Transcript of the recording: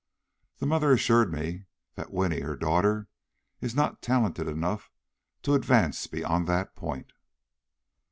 The mother assured me that Winnie, her daughter, is not talented enough to advance beyond that point.